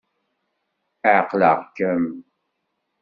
Ɛeqleɣ-kem.